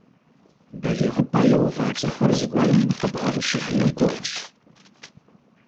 БалигъыпӀэ иува цӀыхур зыгуэрым хуэбгъэӀущыжыну гугъущ.